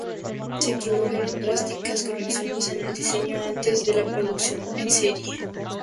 Se introdujeron drásticas correcciones en el diseño antes de su producción en serie.